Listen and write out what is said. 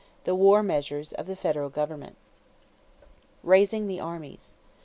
THE WAR MEASURES OF THE FEDERAL GOVERNMENT =Raising the Armies.